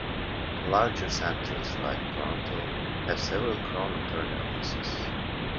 Larger centres like Toronto have several Crown Attorney Offices.